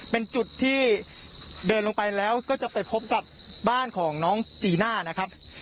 เป็นจุดที่เดินลงไปแล้วก็จะไปพบกับบ้านของน้องจีน่านะครับ